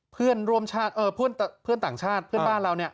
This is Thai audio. เพื่อนต่างชาติพวกบ้านเราเนี่ย